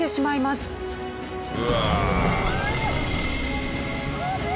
うわ！